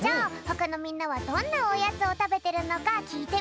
ほかのみんなはどんなおやつを食べてるのか聞いてみよう！